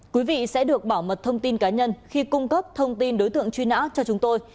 quý vị sẽ được bảo mật thông tin cá nhân khi cung cấp thông tin đối tượng truy nã cho chúng tôi